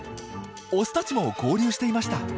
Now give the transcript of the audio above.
オスたちも合流していました。